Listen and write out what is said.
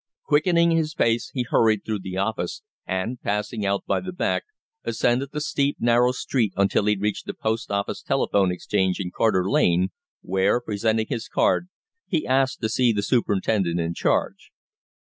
Quickening his pace, he hurried through the office, and, passing out by the back, ascended the steep, narrow street until he reached the Post Office Telephone Exchange in Carter Lane, where, presenting his card, he asked to see the superintendent in charge.